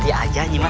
kenapa kam unas